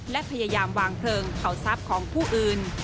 และพยายามวางเพลิงเผาทรัพย์ของผู้อื่น